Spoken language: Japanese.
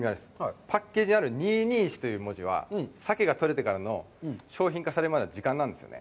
パッケージにある２２１という文字は、鮭が取れてからの商品化されるまでの時間なんですよね。